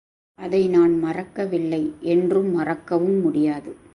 அதை நான் மறக்க வில்லை என்றும் மறக்கவும் முடியாது.